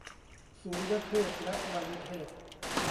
สุริยเทพและวายุเทพ